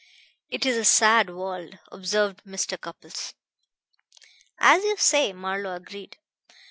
"It is a sad world," observed Mr. Cupples. "As you say," Marlowe agreed.